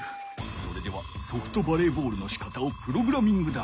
それではソフトバレーボールのしかたをプログラミングだ。